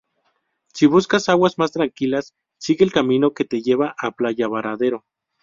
Si buscas aguas más tranquilas, sigue el camino que te lleva a Playa Varadero.